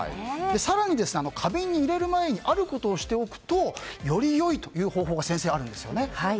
更に花瓶に入れる前にあることをしておくとより良いという方法があるんですよね。